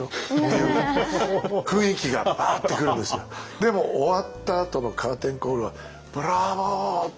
でも終わったあとのカーテンコールは「ブラボー！」って